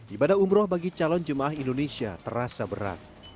ibadah umroh bagi calon jemaah indonesia terasa berat